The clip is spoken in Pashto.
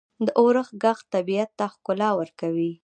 • د اورښت ږغ طبیعت ته ښکلا ورکوي.